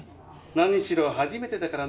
何しろ初めてだからね